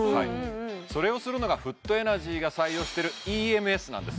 それをするのがフットエナジーが採用してるＥＭＳなんです